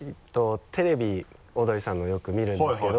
テレビオードリーさんのよく見るんですけど。